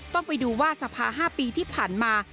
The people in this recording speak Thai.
ต้องไปดูว่าสภา๕ปีที่ผ่านมา